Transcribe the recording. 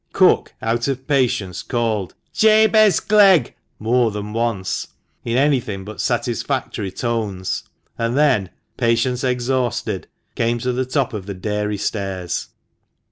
Cook, out of patience, called "Jabez Clegg!" more than once, in anything but satisfactory tones ; and then, patience exhausted, came to the top of the dairy stairs.